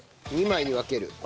２枚に分ける。